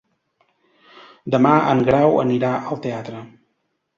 Demà en Grau anirà al teatre.